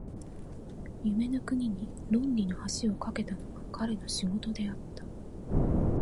夢の国に論理の橋を架けたのが彼の仕事であった。